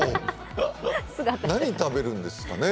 何食べるんですかね？